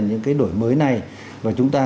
là những cái đổi mới này và chúng ta